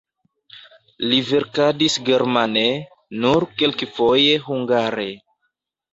Li verkadis germane, nur kelkfoje hungare.